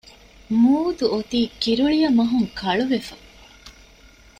މޫދު އޮތީ ކިރުޅިޔަމަހުން ކަޅުވެފަ